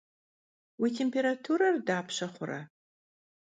Vui têmpêraturer dapşe xhure?